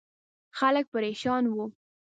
خلک پرېشان وو.